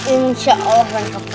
insya allah lengkap